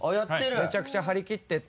めちゃくちゃ張り切ってて。